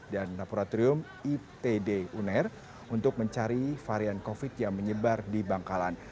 dan laboratorium itd uner untuk mencari varian covid yang menyebar di bangkalan